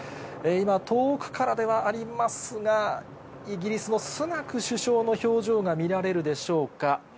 今、遠くからではありますが、イギリスのスナク首相の表情が見られるでしょうか。